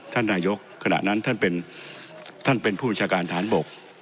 ท่านนายกขณะนั้นท่านเป็นผู้บัญชาการฐานบก